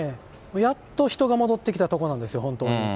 やっと人が戻ってきたところなんですよ、本当に。